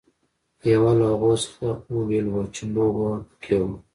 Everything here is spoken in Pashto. یوه له هغو څخه هویل وه چې لوبه پکې وه.